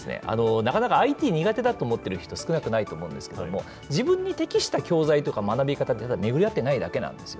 なかなかＩＴ苦手だと思ってる人、少なくないと思うんですけども、自分に適した教材とか学び方に、実は巡り合っていないだけなんですよ。